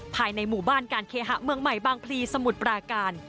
ภายในหมู่บ้านการเคหะเมืองใหม่บางพลีสมุทรปราการ